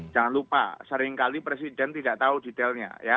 jangan lupa seringkali presiden tidak tahu detailnya ya